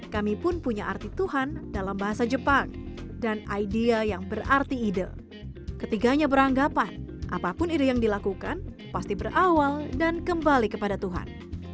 ketiganya beranggapan apapun ide yang dilakukan pasti berawal dan kembali kepada tuhan